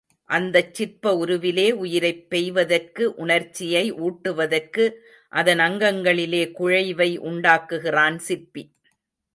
அந்தச் சிற்ப உருவிலே உயிரைப் பெய்வதற்கு, உணர்ச்சியை ஊட்டுவதற்கு, அதன் அங்கங்களிலே குழைவை உண்டாக்குகிறான் சிற்பி.